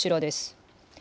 こちらです。